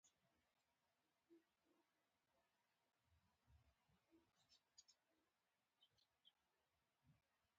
رسول الله صلی الله علیه وسلم ورته د جومات د نقشې صحیح معلومات ورکړل.